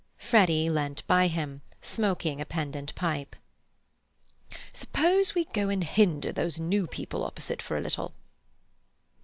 Freddy leant by him, smoking a pendant pipe. "Suppose we go and hinder those new people opposite for a little."